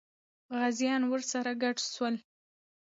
غازیان ورسره ګډ سول.